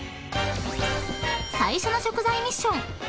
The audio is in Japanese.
［最初の食材ミッション］